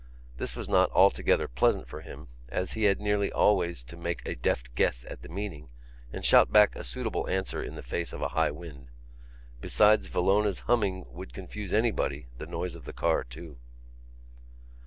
This was not altogether pleasant for him, as he had nearly always to make a deft guess at the meaning and shout back a suitable answer in the face of a high wind. Besides Villona's humming would confuse anybody; the noise of the car, too.